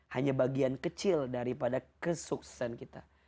hanya bagian kecil daripada kesuksesan kita